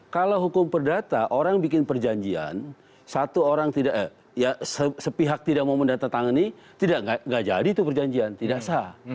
kalau hukum perdata orang bikin perjanjian satu orang sepihak tidak mau mendata tangani tidak jadi itu perjanjian tidak sah